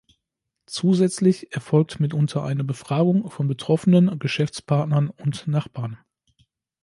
Zusätzlich erfolgt mitunter eine Befragung von Betroffenen, Geschäftspartnern und Nachbarn.